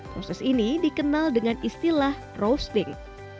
proses ini dikenal dengan istilah roasting